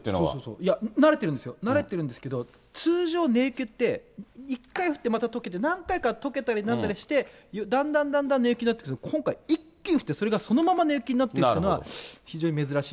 いや、慣れてるんですよ、慣れてるんですけれども、通常、根雪って一回降ってまた、一回とけたりなんだりしてだんだんだんだん根雪になってくるけど、今回、一気に降ってそれがそのまま根雪になっていくというのは非常に珍しい。